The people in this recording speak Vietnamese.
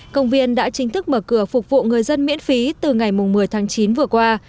công viên đã chính thức mở cửa phục vụ người dân miễn phí từ ngày một mươi tháng chín vừa qua